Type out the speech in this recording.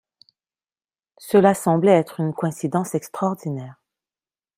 Cela semblait être une coïncidence extraordinaire.